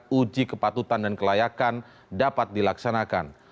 uji kepatutan dan kelayakan dapat dilaksanakan